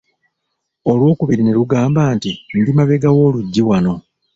Olw'okubiri ne lugamba nti, ndi mabega w'oluggi wano.